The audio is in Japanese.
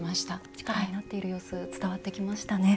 力になっている様子伝わってきましたね。